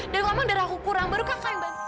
dari lama darahku kurang baru kakak yang bantuin